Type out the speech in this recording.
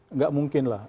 enggak mungkin lah